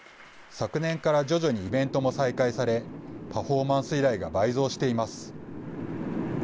昨年から徐々にイベントも再開され、パフォーマンス依頼が倍増しています。